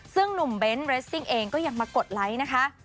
ซึ่งหนุ่มเบ้นเรสซิ่งเองก็ยังมากดไลค์นะคะ